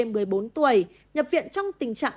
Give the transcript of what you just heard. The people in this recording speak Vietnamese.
một mươi bốn tuổi nhập viện trong tình trạng